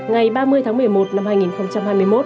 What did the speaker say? ngày ba mươi tháng một mươi một năm hai nghìn hai mươi một